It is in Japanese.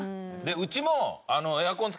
うちも。